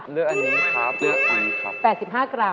เลือกอันนี้ครับ